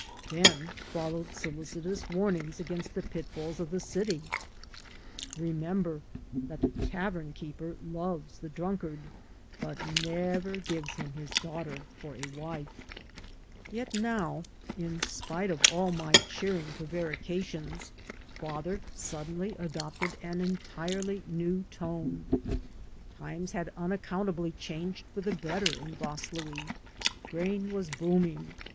Then followed solicitous warnings against the pitfalls of the city: "Remember that the tavern keeper loves the drunkard, but never gives him his daughter for a wife.*' 116 PURIFICATIONS Yet now, in spite of all my cheering prevarications, father suddenly adopted an entirely new tone. Times had unaccountably changed for the better in Vaslui. Grain was booming.